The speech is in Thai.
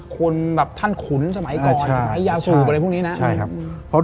คนแบบท่านขุนสมัยก่อนใช่อย่าสูบอะไรพวกนี้นะใช่ครับเขา